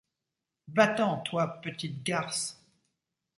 Va-t’en, toi, petite garce !